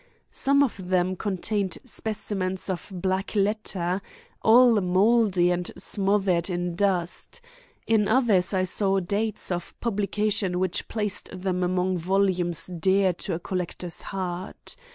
Some of them contained specimens of black letter, all moldy and smothered in dust; in others I saw dates of publication which placed them among volumes dear to a collector's heart.